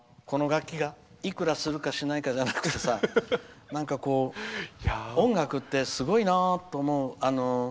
この楽器がいくらするかしないかじゃなくてさなんか音楽ってすごいなって思う。